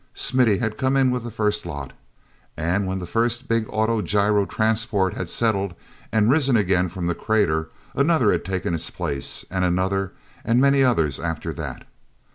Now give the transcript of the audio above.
Smithy had come in with the first lot. And when the first big auto gyro transport had settled and risen again from the crater, another had taken its place, and another and many others after that.